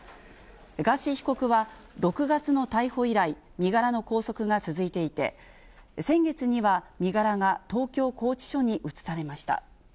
ガーシー被告は６月の逮捕以来、身柄の拘束が続いていて、先月には身柄が東京拘置所に移されました。